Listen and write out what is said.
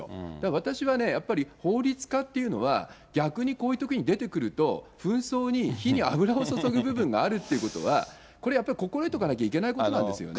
私はね、やっぱり法律家っていうのは、逆にこういうときに出てくると、紛争に火に油を注ぐ部分があるということは、これやっぱり、心得ておかなきゃいけないことなんですよね。